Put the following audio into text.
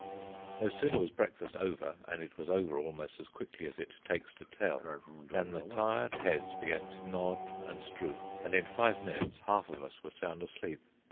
No sooner was breakfast over (and it was over almost as quickly as it takes to tell), than the tired heads began to nod and droop, and in five minutes half of us were sound asleep.